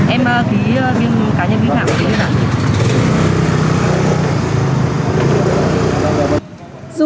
em khí cá nhân nghĩ hẳn